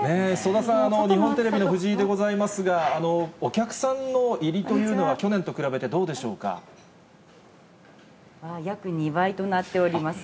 曽田さん、日本テレビの藤井でございますが、お客さんの入りというのは、約２倍となっております。